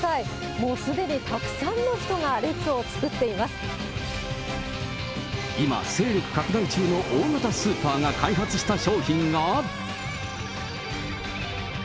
もうすでにたくさんの今、勢力拡大中の大型スーパーが開発した商品が。